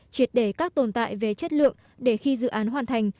triệt để các tồn tại về chất lượng để khi dự án hoàn thành